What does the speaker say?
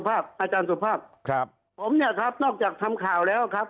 อาจารย์สุภาพครับผมเนี่ยครับนอกจากทำข่าวแล้วครับ